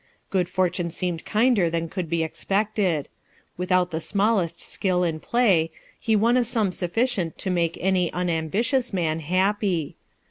Good fortune seemed kinder than could be expected. Without the smallest skill in play, he won a sum sufficient to make any unambitious man happy.